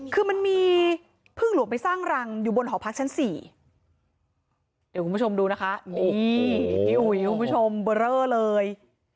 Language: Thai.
คือมันมีพึ่งหลวงไปสร้างรังอยู่บนหอพักชั้นสี่เดี๋ยวคุณผู้ชมดูนะคะนี่พี่อุ๋ยคุณผู้ชมเบอร์เรอเลย